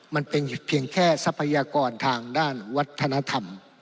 มันเป็นเพียงแค่ทรัพยากรทางด้านวัฒนธรรม